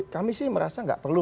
kami sih merasa nggak perlu